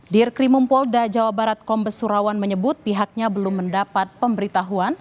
dirkrimum polda jawa barat kombes surawan menyebut pihaknya belum mendapat pemberitahuan